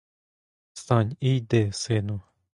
Встань і йди, сину.